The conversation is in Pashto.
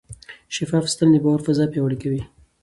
شفاف سیستم د باور فضا پیاوړې کوي.